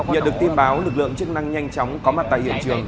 nhận được tin báo lực lượng chức năng nhanh chóng có mặt tại hiện trường